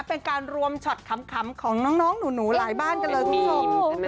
เป็นการรวมช็อตขำของน้องหนูหลายบ้านกันเลยคุณผู้ชม